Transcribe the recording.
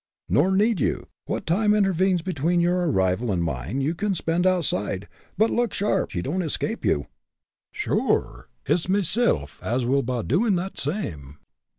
"Nor need you. What time intervenes between your arrival and mine you can spend outside. But look sharp she don't escape you." "Sure, it's mesilf as will ba doin' that same!"